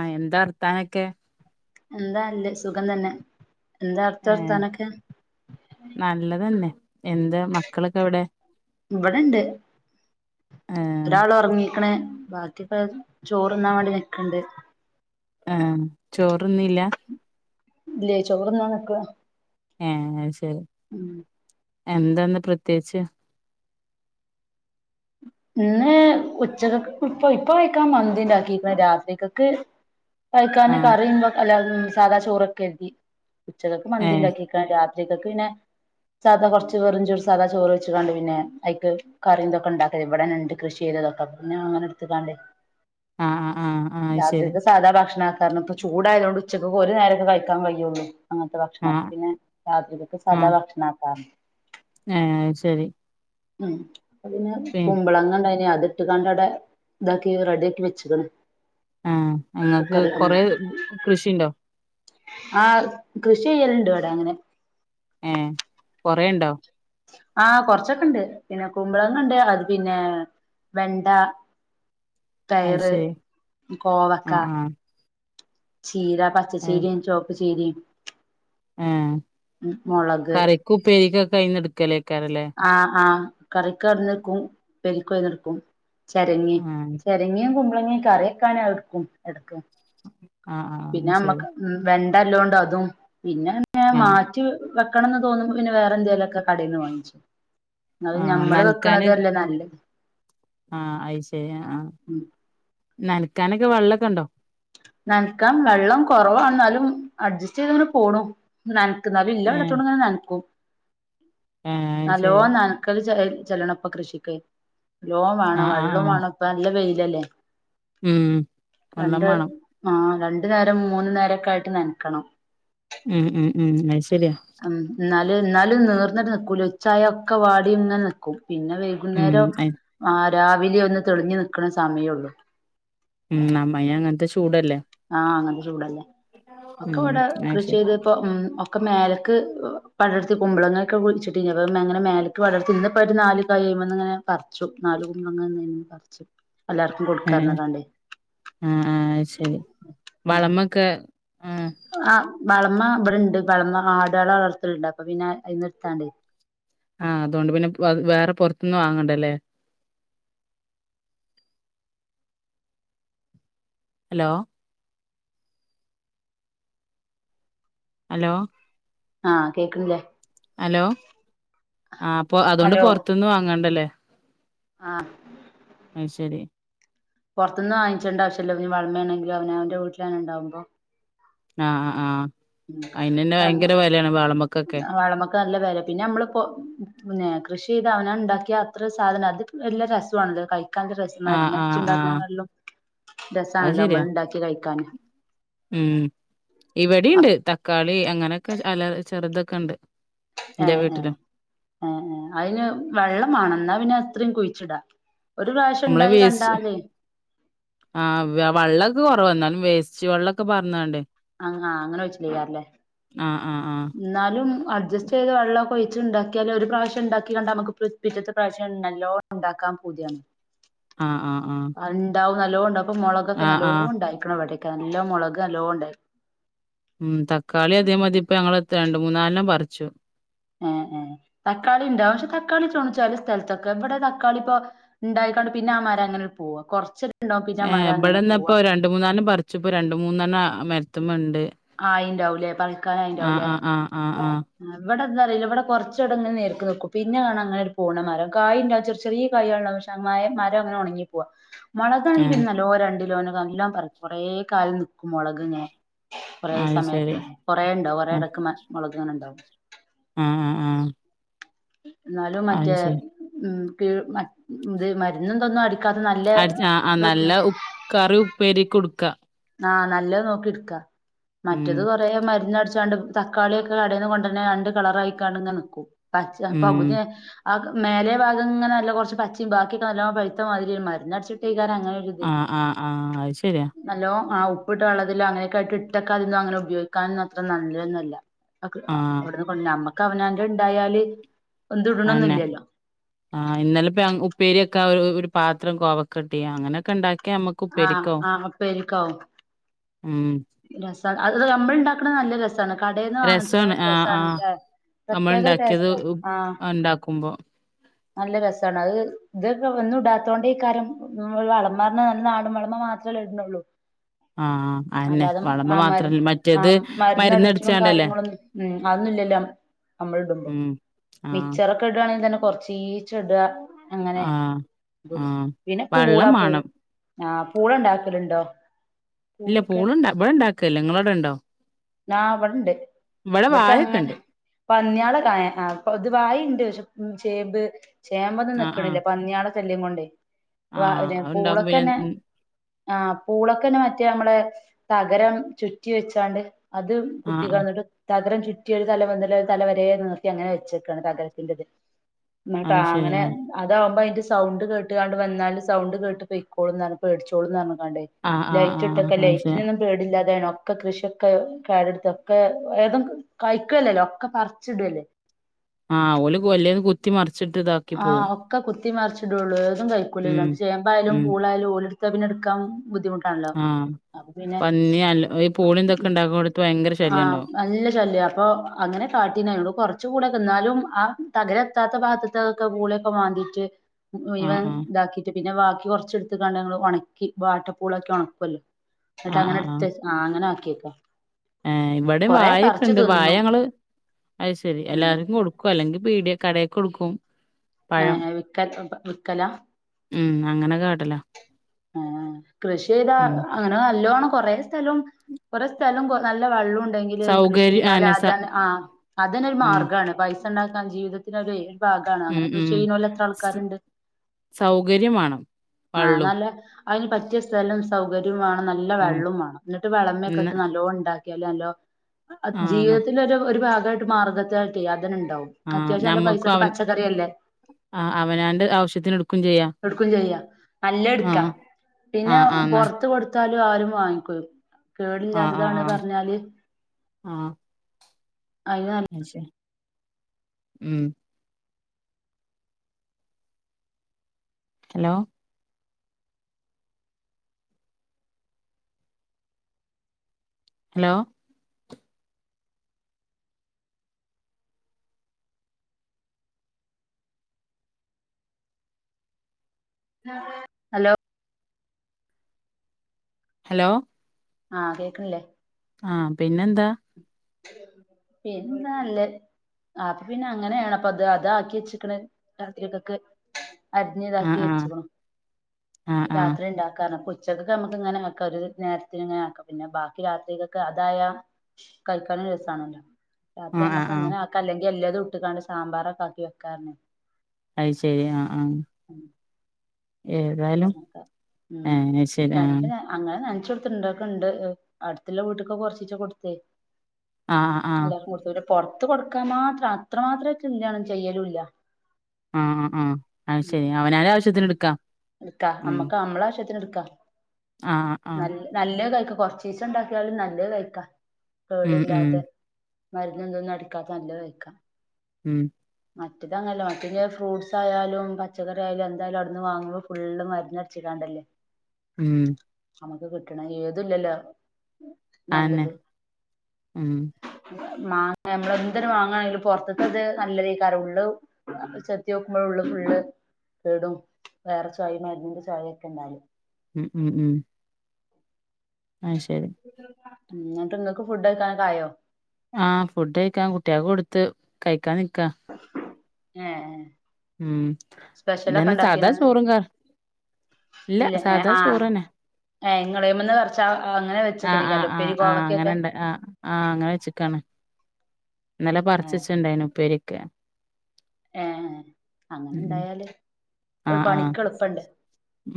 ആഹ് എന്താ വർത്താനൊക്കെ? എന്താല്ലേ സുഖം തന്നെ എന്താ അവ്ട്ത്തെ ഏഹ് വർത്താനൊക്കെ? നല്ലതന്നെ എന്ത് മക്കളെക്കെ എവ്ടെ? ഇവിടെണ്ട് ഏഹ് ഒരാള് ഒറങ്ങിക്ക്ണ് ബാക് റ്റ്പ്പം ചോറ്ന്നാ വേണ്ടി നിക്ക്ണ്ട്. ആഹ് ചോറ്ന്നീല്ലാ? ഇല്ലേ ചോറ്ന്നാൻ നിക്കണ്? ഏഹ് അഹ് ശെരി എന്താന്ന് പ്രത്യേച്ച്? ഇന്ന് ഉച്ചക്ക്ക്ക് ഫു ഇപ്പൊ ഇപ്പ കയിക്കാൻ മന്തി ഇണ്ടാക്കിക്കണ് രാത്രിക്കക്ക് കഴിക്കാന് ആഹ് കറിമ്പെ അല്ലാ സാധാ ചോറെക്കാ കര്തി ഉച്ചക്കക്ക് ഏഹ് മന്തിണ്ടാക്കിക്കാണ് രാത് ഉച്ചക്കേക്ക് പിന്നെ സാധാ കൊറച്ച് വെറു ചോറ് സാധാ ചോറ് വെച്ച്കാണ്ട് പിന്നെ ഐക്ക് കറിംതൊക്കെ ഇണ്ടാക്കി ഇവടെന്നെണ്ട് കൃഷി ചെയ്തതൊക്കെ പിന്നെ അങ്ങനെ എട്ത്ത്ങ്ങാണ്ട് ആഹ് ആഹ് ആഹ് ആഹ് ശരി രാത്രിയേക്ക് സാധാ ഭാക്ഷണാക്കർഞ്ഞിട്ട് ചൂടായതോണ്ട് ഉച്ചക്ക് ഒരു നേരക്കെ കഴിക്കാൻ കയ്യോള്ളു അങ്ങൻത്തെ ഭക്ഷണൊക്കെ ആഹ് പിന്നെ രാത്രിക്കക്ക് സാധാ ആഹ് ഭക്ഷണാക്കാർഞ്ഞ് ഏഹ് അത് ശെരി. ഉം അപ്പ പിന്നെ കുമ്പളങ്ങണ്ടായിനി അത് ഇട്ട് കാണ്ട് അടെ ഇതാക്കി റെഡിആക്കി വെച്ചക്ക്ണ്. ആഹ് ആഹ് ങ്ങക്ക് കൊറേ കൃഷിണ്ടോ? ആഹ് കൃഷി ചെയ്യൽണ്ട് വടെ ങ്ങനെ. ഏഹ് കൊറെണ്ടോ? ആഹ് കൊറച്ക്കെണ്ട് പിന്നെ കുമ്പളങ്ങ ണ്ട് അത് പിന്നെ വെണ്ട അത് തൈറ് ശരി കോവക്ക. ആഹ് ആഹ് ചീര ഏഹ് പച്ചച്ചീരിയും ചുവപ്പ ചീരിയും ഏഹ് കറിക്ക് ഉപ്പേരിക്കൊകയിന്ന് എടുക്കലേക്കാരല്ലേ ആഹ് ആഹ് കറിക്ക് അയിന്ന്ടുക്കും ഉപരിക്കയന്നെടുക്കും ചരങ്ങിയ ആഹ് ചരങ്ങിയും കുമ്പളങ്ങയും കറിയൊക്കാണ് എടുക്കും എടക്ക ആഹ് ആഹ് പിന്നെ ശരി അമ്മക്ക് വെണ്ടല്ലോണ്ട് അതും പിന്നെ [unintelligible] ആഹ് മാറ്റി വെക്കണംന്ന് തോന്നുമ്പോ പിന്നെ വേറെ എന്തങ്കലുംക്കെ കടയിൽന്ന് വാങ്ങിച്ചു അത് ആഹ് ഞമ്മള് നനക്കാന് വെക്കണതല്ലേ നല്ലത് ആഹ് അയ്ശരി ആഹ് ആഹ് ഉം നനക്കാനൊക്കെ വെള്ളക്കെ ഉണ്ടോ നനക്കാൻ വെള്ളം കുറവാണ എന്നാലും അഡ്ജസ്റ്റ് ചെയ്തങ്ങനെ പോണു നനക്ക ന ഇല്ല വെള്ള. ഏഹ് ത്തോണ്ട് ഇങ്ങനെ നനക്കും ഏഹ് അത് നല്ലോ ശരി ന ക്കല് ചെല്ലണപ്പൊ കൃഷിക്ക് ലോം വേണം ആഹ് ആഹ് വെള്ളവും ആഹ് വേണം ഇപ്പ നല്ല വെയിലല്ലേ ഉം വെള്ളം രണ്ട് വേണം ആഹ് രണ്ടു നേരം മൂന്ന നേരക്കെ ആയിട്ട് നനക്കണം ഉം ഉം ഉം അത് ശര്യ ഉ ന്നാല് ന്നാലും നിവർന്നിട്ട് നിൽക്കൂല ഉച്ചായ ഒക്കെ വാടി ഇങ്ങനിക്കും പിന്നെ ഉം വകുന്നേരം അയ് ആ രാവിലെ ഒന്ന് തെളിഞ്ഞു നിക്കണ സമയുള്ളൂ ഉം അമ്മയ അങ്ങനത്തെ ചൂടല്ലേ ആഹ് അങ്ങനത്തെ ചൂടല്ലേ ഉം ഒക്കെ ഇവിടെ അത് കൃഷി ശരി ചെയ്ത് പ്പൊ ഒക്ക മേലേക്ക് പടർത്തി കറുമ്പളങ്ങൊക്കെ കുഴിച്ചിട്ടെന്നും പ്ങ്ങനെ മേലക്ക് ക്ക് പടർത്തിന്ന് നാല് തൈമന്ന്ങ്ങനെ പറിച്ചു നാലു കുമ്പളങ്ങ പറിച്ച് എല്ലാവരും കൊടുക്കാ ഏഹ് റഞ്ഞ്ക്കാണ്ടെ ആഹ് ആഹ് അയ്ശരി വളമൊക്കെ ഉം അഹ് വളമ അവിടെണ്ട് വളമ ആടുകള വളർത്തലുണ്ട് അപ്പൊ പിന്നെ അയ്ന്നിട് ത്താണ്ട് ആഹ് അതുകൊണ്ട് പിന്നെ വേറെ പുറത്ത്ന്ന് വാങ്ങണ്ട ലെ ഹലോ ഹലോ ആഹ് കേൾക്കണില്ലേ ഹലോ ആ അപ്പൊ അതുകൊണ്ട് ഹലോ പൊറത്ത്ന്ന് വാങ്ങണ്ടല്ലേ ആഹ് അയ്ശരി പുറത്തനിന്ന് വാങ്ങിണ്ടവശല്ല വളമയാണെങ്കിൽ അവനവന്റെ വീട്ടിലന്നെ ഉണ്ടാവുമ്പോ ആഹ് ആഹ് അഹ് അയിനൊന്ന ഉം ഭയങ്കര വിലയാണ് വാളമക്കൊക്കെ വളമക്ക് നല്ല വില പിന്നെ നമ്മളിപ്പോ പിന്നെ കൃഷി ചെയ്ത് അവന ഉണ്ടാക്കിയ അത്ര സാധനം അത് നല്ല രസാണല്ലോ ക കക്ക രസം ആഹ് മരുന്ന് ആഹ് ആഹ് അടിച്ചുണ്ടാക്കണല്ലോ അത് രസാണല്ലോ അമ്മൾ ശരിയാ ഉണ്ടാക്കി കഴിക്കാൻ ഉം ഇവിടിണ്ട് അപ് തക്കാളി അങ്ങനെക്കെ അല ചെറുതൊക്കെ ഉണ്ട് എന്റെ ഏഹ് ഏഹ് വീട്ടിലും ഏഹ് ഏഹ് അയ്ന് വെള്ളമാണെന്നാ പിന്നെ അത്രയും കുഴിച്ചിടാ ഒരു പ്രാവശ്യം ഉണ്ടായി കണ്ടാലേ ആഹ് വെള്ളക്കെ കുറവ എന്നാലും വേസ്റ്റ് വെള്ളക്കെ പാറ്ന്ന്കാണ്ട് അഹ് ആഹ് അങ്ങനെ ഒഴിച്ച് ചെയ്യാറല്ലേ ആഹ് ആഹ് ആഹ് ഇന്നാലും അഡ്ജസ്റ്റ് ചെയ്ത് വെള്ളൊക്കെ ഒഴിച്ചു ഉണ്ടാക്കിയാൽ ഒരു പ്രാവശ്യം ഇണ്ടാക്കി കണ്ട നമക്ക് പിറ്റത്തെ പ്രാവശ്യം നല്ലോ ണ്ടാക്കാം പൂതിയാണ് ആഹ ആഹ് ആഹ് ഇണ്ടാവും നല്ലോ ഇണ്ടാവുംപ്പൊ മുളകൊക്കെ നല്ലോ ഇണ്ടായിക്ക്ണ് ഇവടക്കെ നല്ല മുളക് നല്ലോണ്ടായി ഉം തക്കാളി അതേം മാതി ഇപ്പ ഞങ്ങള്എ രണ്ട് മൂന്നാലെണ്ണം പറിച്ചു ഏഹ് ഏഹ് തക്കാളി ഇണ്ടാവും പക്ഷെ തക്കാളി [unintelligible] ചെലേസ്ഥലത്തൊക്കെ ഇവിടെ തക്കാളി ഇപ്പോ ഇണ്ടായിക്കാണ്ട് പിന്നെ ആ മര അങ്ങനെ പോവാ കൊറച്ച് ഉണ്ടാവു പിന്നെ ഏ ആ മര അങ്ങനെ ഇവിടെന്ന ഇപ്പോ പോവാ രണ്ട് മൂന്നാലെണ്ണം പറിച്ചു രണ്ട് മൂന്നെണ്ണം മരത്ത് മേണ്ട് അയിണ്ടാവുലേ പറിക്കാനായുണ്ടാവുലേ ആ ആ ആ ഇവിടെന്താ അറിയില്ല ഇവിടെ കൊറച്ച് ഇടങ്ങ നേർക്ക് നിക്കും പിന്നെ കാണ അങ്ങനെ പോണമരം കായ്ണ്ടവച്ച ഒരു ചെറി ചെറി കായ് ണ്ട പക്ഷെ മായം മരം അങ്ങനെ ഒണങ്ങിപ്പോവാ ആ മൊളകാണെങ്കി പിന്നെ നല്ലോ രണ്ടിലോനൊ നല്ലം പറ കുറേ കാലം നിക്കും മൊളകിങ്ങനാ കുറെ അത് ശരി സമയത്ത് കൊറേ ഇണ്ടാവും കൊറെ ഇടക്ക് മൊളക് ഇണ്ടാവും ആഹ് ആഹ് ആഹ് ഇന്നാലും മറ്റേ ഉം കീഴ് ഇത് മരുന്നൊന്നും അടിക്കാത്ത നല്ല അടി ആഹ് അഹ് ഇതൊക്കെയാ നല്ല ഉപ്പ് കറി ഉപ്പേരി ഉടുക്കാ ആഹ് നല്ലത് നോക്കി ഇട്ക്കാ ഉം മറ്റത് കൊറെ മരുന്ന് അടിച്ച് ങ്ങാണ്ട് തക്കാളിയൊക്കെ കടേന്ന് കൊണ്ടര്ന്ന് രണ്ട് കളറായിക്കാണ് നിക്കും പച്ച ഉം പകുതി ആഹ് മേലെ ഭാഗങ്ങനെ നല്ലകൊറച് പച്ചിം ബാക്കിയൊക്കെ നല്ലോ പഴുത്ത മാതിരി മരുന്ന് അടച്ചിട്ടിക്കാരം അങ്ങനൊരു ആഹ് ആഹ് അത് ശരിയ നല്ലോ ആഹ് ഉപ്പിട്ട് വള്ളത്തില് അങ്ങനൊക്കെ ആയിട്ട് ഇട്ടൊക്കെ അതിന്നും അങ്ങനെ ഉപയോഗിക്കാനും അത്ര നല്ലതന്നല്ല ആഹ് അവിടുന്ന് കൊ നമ്മക്ക് അവനാൻ്റെ ഇണ്ടായാല് എന്ത് ഇട അന്നെ ട്ണൊന്നില്ലല്ലോ ആഹ് ഇന്നലെ ഉപ്പേരി വെക്കാ ഒരു പാത്രം കോവക്ക കിട്ടി അങ്ങനെയൊക്കെ ഇണ്ടാക്കി ഒക്കെ നമ്മക്ക് ആഹ് ഉപ്പേരിക്കോ ആഹ് ഉം രസം അത് നമ്മളിണ്ടാക്ക്ണ നല്ല രസാ ണ് കടയിന്ന് വാങ്ങിച്ചിട്ട രസാണ് ആഹ് രസാണ് ആഹ് ല്ലേ നമ്മൾ പ്രത്യേക ഒരു ഉണ്ടാക്കിയത് ടേസ്റ്റ ആഹ് ഉണ്ടാക്കുമ്പോ നല്ല രസാണ് അത് ഇതൊക്ക ഒന്നും ഇടാത്തേണ്ടേ ക്കാരും വളമ്മാന്ന് നല്ല നാടം വളമ മാത്രമേ ഇടുന്നുള്ളൂ ആഹ് അന്നെ അല്ലാതെ വളമ്പ് ആ മരു മാത്രല്ല ആ മറ്റേത് മരുന്ന് മരുന്നടിച്ചതും അടിചാണ്ടല്ലേ കാര്യങ്ങളൊന്നും ഉം അതൊന്നില്ലല്ലോ നമ്മള് ഇടുമ്പോ ഉം ആഹ് മിച്ചർ ഒക്കെഇടാണെങ്കിൽ തന്നെ കൊറച്ചിച്ച്ഇടാ അങ്ങനെ ആഹ് ആഹ് പിന്നെ പൂളാ വള്ളം പൂ മാണം ആഹ് പൂള ഇണ്ടാക്കലുണ്ടോ ഇല്ല പൂളുണ്ട ഇവിടെ ഇണ്ടാക്കലില്ല നിങ്ങളവിടെ ഇണ്ടോ നാ ഇവിടെണ്ട് ഇവിടക്ക് വായൊക്കെ അങ്ങനെ ഉണ്ട് പന്നിയാള്കായ ആ പൊതുവായുണ്ട് പക്ഷെ ചേമ്പ് ചേമ്പൊന്ന് ആഹ് ആഹ് നിക്കണില്ല പന്നിയാള് ശല്യം കൊണ്ടെ വ ആഹ് പിന്ന അത്ണ്ടാവുമ്പോ പിന്നെ പൂളക്ക്ന്നെ ഉം ആഹ് പൂളക്ക്ന്നെ മറ്റേ നമ്മളെ തകരം ചുറ്റി വെച്ചാണ്ട് അത് ആഹ് കുത്തി ആഹ് കടഞ്ഞിട്ട് തകരം ചുറ്റിയൊരു തല മുതൽ തല വരെ നീർത്തി അങ്ങനെ വെച്ചേക്കാണ് തകരത്തിന്റത് ന്നിട്ടാ അത് അങ്ങനെ ശരിയാ അതാവുമ്പോ അതിന്റെ സൗണ്ട് കേട്ടുകാണ്ട് വന്നാല് സൗണ്ട് കേട്ട് പൊയ്ക്കോളും പറഞ്ഞ പേടിച്ചോളുംന്ന് റഞ്ഞകാണ്ടേ ആഹ് ആഹ് ലൈറ്റ് ആഹ് ഇട്ടൊക്കെ അത് ശരി ലൈറ്റിനൊന്നും പേടില്ലാതാണ് ഒക്കെ കൃഷിയൊക്കെ കേടരുത്തൊക്കെ ഏതും കഴിക്കുല്ലല്ലോ ഒക്കെ പറിച്ച് ഇടല്ലേ ആഹ ഓല് ഗൊല്ലേത് കുത്തി മറിച്ചിട്ട് ഇതാക്കി ആ പോവും ഒക്കെ കുത്തി മറിച്ചിടുയള്ളൂഏതും ഉം കഴക്കൂല്ലണ്ട് ചേമ്പായാലും ഉം പൂളായാലും ഓലടുത്ത പിന്നെ എടുക്കാൻ ബുദ്ധമു ആഹ് പന്നി അല്ല ഈ പൂളി എന്തൊക്കെ ഇണ്ടാക്കുവാടുത് ഭയങ്കര ശല്യം ആഹ് ഉണ്ടാവും നല്ല ശല്യ അപ്പൊ അങ്ങനെ കാട്ടീനൂ കുറച്ച കൂടെ നിന്നാലും ആ തകരെത്താത്ത ഭാഗത്ത് ഇത് അതൊക്കെ പൂളൊക്കെ മാന്തിട്ട് ആഹ് മുഴുവൻ ആഹ് ഇതാക്കി് പിന്നെ ബാക്കി കുറച്ച് എടുത്ത് കണ്ടങ്ങൾ ഉണക്കി വാട്ടപ്പൂളൊക്കെ ഉണക്കല്ലോ എന്നിട്ട് ആഹ് അങ്ങനെ ആഹ് എടുത്ത് ആഹ് അങ്ങനെ ആക്കിയേക്ക ആഹ് ഇവിടെ കൊറെ വായ ഒക്കെ പറിച്ച് ഇണ്ട് വായ തിന്നു ഞങ്ങള് അയ്ശേരി ഉം എല്ലാവർക്കും കൊടുക്കും അല്ലെങ്കിൽ പീടിയ കടയി കൊടുക്കും ആഹ് പഴം ആഹ് വിക്കൽ വിക്കലാ ഉം അങ്ങനെ കാട്ടല ആഹ് കൃഷി ചെയ്താ ഉം അങ്ങനെ നല്ലോണം കൊറേ സ്ഥലം കൊറേ സ്ഥലം നല്ല വെള്ളം ഉണ്ടെങ്കിൽ കൃഷി സൗകര്യ ചെയ്താൽ ആന്നെ സ അതാണ് ആഹ് അതന്നെരു ഉം മാർഗമാണ് പൈസ ഉണ്ടാക്കാൻ ജീവിതത്തിന് ഒരു ഭാഗാണ് ഉം അങ്ങനെ കൃഷി ഉം ചെയ്യുന്ന എത്ര സ് ആൾക്കാരുണ്ട്. സൗകര്യം വേണം ആഹ് വള്ളും നല്ല അതിന് പറ്റിയ സ്ഥലം സൗകര്യം വേണം നല്ല ഉം വെള്ളവും വേണം എന്നിട്ട് ഇന്ന വിളമയൊക്കെയിട്ട് നല്ലോ ഉണ്ടാക്കി ല്ലല്ലോ ആഹ് ജീവിതത്തിന്റെ ഒരു ഭാഗയിട്ട് മാർഗ്ഗത്തിലായിട്ട് അതന്നെ ഉണ്ടാവും ആഹ്‌ അത്യാവശ്യം നല്ല പൈസ ഞമ്മക്കും ഇട്ട് അവൻ പച്ചക്കറിയല്ലേ ആ അവനാണ്ട് ആവശ്യത്തിന് എടുക്കയും ചെയ്യാം എടുക്കയും ചെയ്യാ നല്ല എടുക്കാ ആഹ് പിന്നെ ആഹ് ആഹ് ന്നാ പൊറത്ത് കൊടുത്താലും ആരും വാങ്ങിക്കും ആഹ് ആഹ് കേടില്ലാത്തതാണ് ആഹ് പറഞ്ഞാല് ആഹ് അയി അത് ശരി ഉം ഹലോ ഹലോ ആഹ്‌ ഹലോ ആഹ് കേക്കണില്ലേ ആഹ്‌ പിന്നെന്താ പിന്നെന്താ നല്ലത് ആ അപ്പൊ പിന്നെ അങ്ങനെയാണ് അപ്പൊ അത് അത ആക്കി വെച്ചക്കണ രാത്രിയക്കൊക്കെ അരിഞ്ഞ ആഹ് ഇതാക്കി ആഹ് വെച്ചക്കണു ആഹ് ആഹ് രാത്രി ഇണ്ടാക്കാൻ കാരണം ച്ചക്കൊക്കെ നമുക്ക് ഇങ്ങനെ ഒക്കെ ഒരു നേരത്തി ഇങ്ങനെ ആക്കും പിന്നെ ബാക്കി രാത്രികൊക്കെ അതായ [inaudible] കഴിക്കാനും രസാണല്ലോ രാത്രി ആഹ് ആഹ് നമുക്ക് ആഹ് അങ്ങനെ അല്ലെങ്കിൽ എല്ലാതും ഇട്ടിക്കാണ്ട് സാമ്പാറക്കെ ആക്കി വെക്കാ അയി ശരി ആഹ്‌ ആഹ്‌ ഏതായാലും പറഞ്ഞേക്കാ ഉം ആയി ശരി ആഹ്‌ രണ്ട് അങ്ങനെ നനച്ച കൊടുത്തിണ്ടാക്കണ്ട് അടുത്തുള്ള വീട്ടക്കെ കൊറച്ചച് കൊടുത്തേ ആഹ് ആഹ് എല്ലാവർക്കും കൊടുത്ത പുറത്ത് കൊടുക്കാൻ മാത്രം അത്രമാത്ര എന്തണ ചെയ്യലുംല്ല ആഹ്‌ ആഹ്‌ ആഹ്‌ അയി ശരി അവനവന്റെ ആവശ്യത്തിന് ഉം എടുക്കാം എടുക്കാ നമ്മക്ക് നമ്മളാവശ്യത്തിന് എടുക്കാ ആഹ്‌ ആഹ്‌ നല്ല നല്ലത് കഴിക്ക കൊറച്ചിസം ഉണ്ടാക്കിയാലും നല്ലത് കഴിക്കാം ഉം ഉം കേടില്ലാതെ മരുന്നും ഇതൊന്നും അടിക്കാത്ത നല്ലത് കഴിക്കാം ഉം മറ്റെത് അങ്ങല്ല. മറ്റെത് [unintelligible] ഫ്രൂട്ട്സ് ആയാലും പച്ചക്കറി ആയാലും എന്തായാലും അവിടുന്ന് വാങ്ങും. ഫുള്ള് മരന്നട്ച് കാണ്ടല്ലെ. ഉം അമക്ക് കിട്ട്ണഹ്. ഏതുല്ലല്ലൊ അതെന്നെ നല്ലത്. ഉം മാങ്ങ നമ്മളെന്തരു വാങ്ങാണെങ്കിലും പൊറത്തത് നല്ലതേക്കാരം. ഉള്ളു അപ്പൊ ചെത്ത്യാേക്കുമ്പഴ് ഉള്ള് ഫുള്ള് കേടും. വേറെ ചൊയിം മര്ന്നിന്റെ ച ചൊയൊക്കെ ഇണ്ടാവല്. ഉം ഉം ഉം ആഹ് ശെരി. ഉം ഇന്നട്ട് ഇങ്ങക്ക് ഫുഡ്കഴിക്കാനൊക്കെ ആയോ. ആഹ്‌ ഫുഡ് കഴിക്കാൻ കുട്ട്യേക്ക് കൊടുത്ത് കഴിക്കാൻ നിക്ക. ഏഹ്‌ ഉം ഇതെന്നെ സാധാ ചോറും ക ഇല്ല ഏഹ് സാധാ ആഹ് ചോറെന്നെ. ഏഹ് ഇങ്ങളേമന്ന് പറച്ച അങ്ങനെ ആഹ് ആഹ് വെച്ചക്കെലെക്കാരെലെ ആഹ് ഉപ്പേരി ആഹ് കോവക്കെക്കെ. അങ്ങനെണ്ട് ആഹ് ആഹ് അങ്ങനെ വെച്ചക്കാണ്. ഇന്നലെ ഏഹ് പറച്ചച്ണ്ടായിന്നു ഉപ്പേരിക് ഏഹ്‌ ഏഹ്‌ അങ്ങനെ ഉണ്ടായാല് ഒരു ആഹ്‌ ആഹ്‌ പണിക്ക് എളുപ്പണ്ട്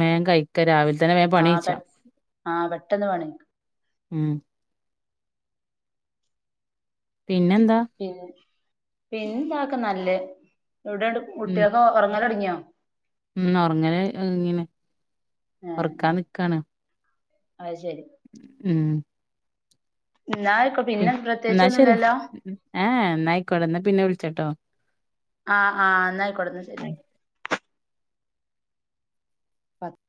മേം കഴിക്ക. രാവിൽ തന്നെ വേം പണി കയിച്ച. ആഹ്‌ പെട്ടെന്ന് പണി [unintelligible] ഉം പിന്നെന്ത. പിന്നെ പിന്നെന്തക്കെ നല്ലത്. എവ്ടെ ഇന്നട്ട് ഉം കുട്ട്യേക്കൊ ഒറ്ങ്ങലൊടങ്ങ്യാെ. ഉം ഒർങ്ങല് ഒരുങ്ങീണ്. ഏഹ് ഏഹ് അയ് ശെരി. ഉം ഇന്നാ അയ്ക്കൊ. പിന്നെ പ്രത്യേയ്ച്ചൊന്നും ഇല്ലല്ലൊ. ഏ ഹ ഏ ഇന്നായിക്കോട്ടെ ഇന്ന പിന്നെ വിളിച്ചട്ടൊ. ആഹ് ആഹ് ഇന്ന അയിക്കോട്ടെ ഇന്നാ ശെരി. ആ പത്ത്